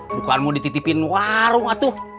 dukunganmu dititipin warung atuh